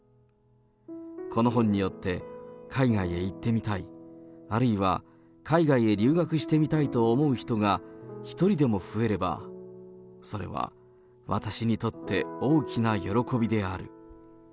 この本によって、海外へ行ってみたい、あるいは海外へ留学してみたいと思う人が１人でも増えれば、それは私にとって大きな喜びである。